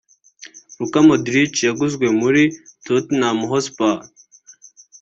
Lukа Моdrіс (yaguzwe muri Tottenham Hotspur)